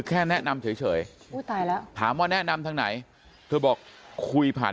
แค่แนะนำเฉยอุ้ยตายแล้วถามว่าแนะนำทางไหนเธอบอกคุยผ่าน